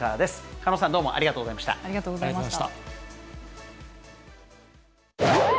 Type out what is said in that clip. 狩野さん、どうもありがとうございました。